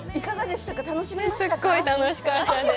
すごい楽しかったです。